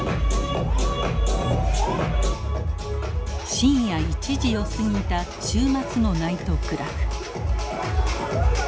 深夜１時を過ぎた週末のナイトクラブ。